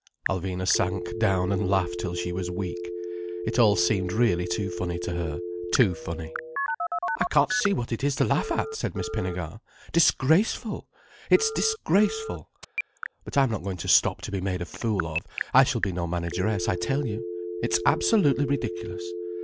Alvina sank down and laughed till she was weak. It all seemed really too funny to her—too funny. "I can't see what it is to laugh at," said Miss Pinnegar. "Disgraceful—it's disgraceful! But I'm not going to stop to be made a fool of. I shall be no manageress, I tell you. It's absolutely ridiculous.